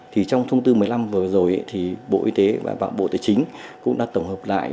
thì trong thông tư một mươi năm vừa rồi thì bộ y tế và bộ tài chính cũng đã tổng hợp lại